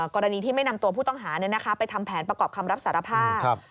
กรณีที่ไม่นำตัวผู้ต้องหาไปทำแผนประกอบคำรับสารภาพ